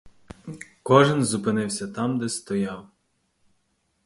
Кожний зупинився там, де стояв.